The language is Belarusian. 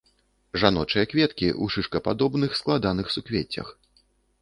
Жаночыя кветкі ў шышкападобных складаных суквеццях.